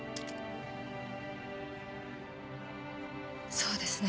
そうですね。